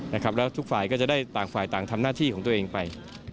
แล้วทุกฝ่ายก็จะได้ต่างฝ่ายต่างทำหน้าที่ของตัวเองไป